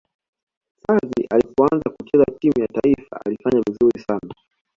xavi alipoanza kucheza timu ya taifa alifanya vizuri sana